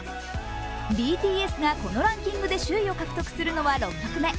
ＢＴＳがこのランキングで首位を獲得するのは６曲目。